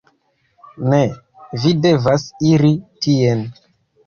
Ne, vi devas iri tien.